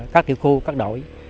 các tiểu khu các đội